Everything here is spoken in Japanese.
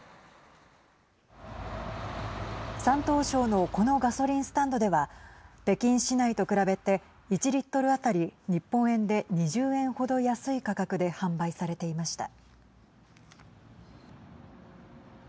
山東省のこのガソリンスタンドでは北京市内と比べて１リットル当たり日本円で２０円程安い価格で販売されていました。